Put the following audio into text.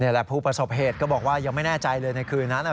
แหละผู้ประสบเหตุก็บอกว่ายังไม่แน่ใจเลยในคืนนั้น